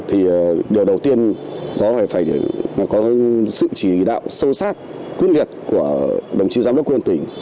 thì điều đầu tiên có phải là sự chỉ đạo sâu sát quyết liệt của đồng chí giám đốc quân tỉnh